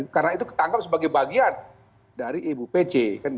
karena itu ketangkap sebagai bagian dari ibu pc